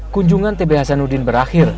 kunjungan tb hasanudin berakhir